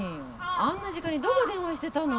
あんな時間にどこにしてたの？